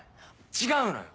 違うのよ